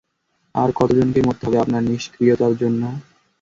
আর কতজনকে মরতে হবে আপনার নিষ্ক্রিয়তার জন্য?